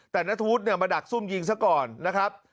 แต่นัทธวุฒิเนี่ยมาดักซุ่มยิงซะก่อนนะครับ